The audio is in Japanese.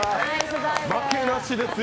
負けなしですよ。